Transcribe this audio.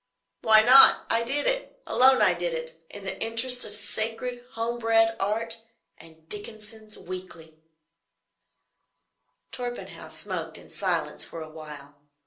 "Why not? I did it. Alone I did it, in the interests of sacred, home bred Art and Dickenson's Weekly." Torpenhow smoked in silence for a while.